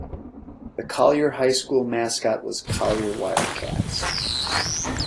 The Collyer High School mascot was Collyer Wildcats.